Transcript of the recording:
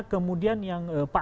kemudian ada yang berpengaruh